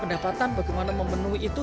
pendapatan bagaimana memenuhi itu